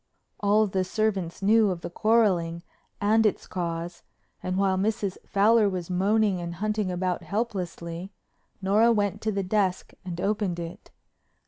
All the servants knew of the quarreling and its cause and while Mrs. Fowler was moaning and hunting about helplessly, Nora went to the desk and opened it.